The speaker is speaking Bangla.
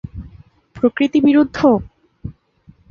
প্রকৃতি বিরুদ্ধ?